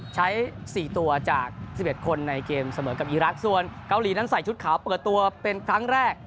ใช้๔ตัวจาก๑๑คนในเกมเสมอกับอีรักษ์ส่วนเกาหลีนั้นใส่ชุดขาวเปิดตัวเป็นครั้งแรก